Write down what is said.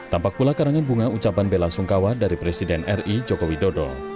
tampak pula karangan bunga ucapan bella sungkawa dari presiden ri jokowi dodo